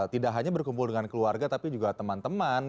tidak hanya berkumpul dengan keluarga tapi juga teman teman